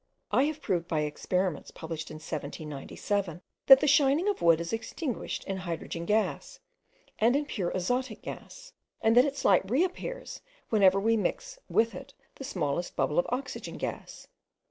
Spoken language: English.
I have proved by experiments published in 1797, that the shining of wood is extinguished in hydrogen gas, and in pure azotic gas, and that its light reappears whenever we mix with it the smallest bubble of oxygen gas.